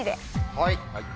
はい。